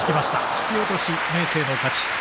引き落とし、明生の勝ち。